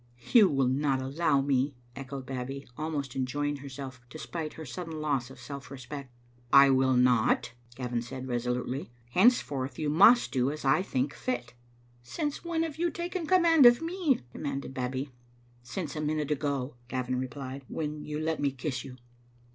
" "You *will not allow me,'" echoed Babbie, almost enjoying herself, despite her sudden loss of self respect. "I will not," Gavin said, resolutely. "Henceforth you must do as I think fit." " Since when have you taken command of me?" de manded Babbie. " Since a minute ago," Gavin replied, "when you let me kiss you.